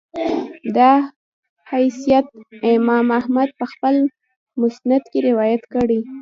دا حديث امام احمد په خپل مسند کي روايت کړی